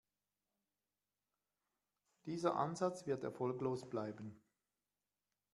Dieser Ansatz wird erfolglos bleiben.